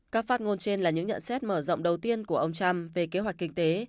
các phát ngôn trên là những nhận xét mở rộng đầu tiên của ông trump về kế hoạch kinh tế